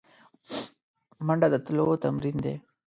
منډه د تلو تمرین دی